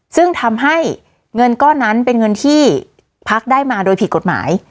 ซึ่งทำให้เงินก้อนนั้นเป็นเงินที่พักได้มาโดยผิดกฎหมาย